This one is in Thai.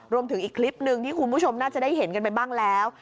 อีกคลิปหนึ่งที่คุณผู้ชมน่าจะได้เห็นกันไปบ้างแล้ว